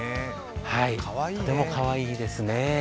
とてもかわいいですね。